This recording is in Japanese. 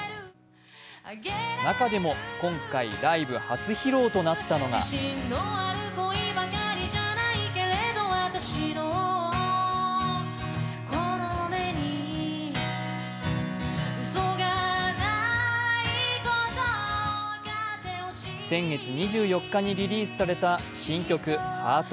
中でも、今回ライブ初披露となったのが先月２４日にリリースされた新曲「はーと」。